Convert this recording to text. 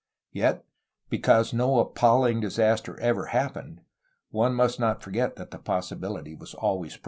Yet, because no appalling disaster ever happened, one must not forget that the possibility was always present.